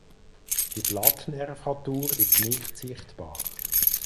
Die Blattnervatur ist nicht sichtbar.